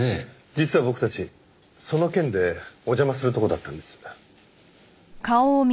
実は僕たちその件でお邪魔するとこだったんです。